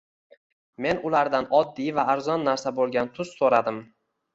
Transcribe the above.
Men ulardan oddiy va arzon narsa boʻlgan tuz soʻradim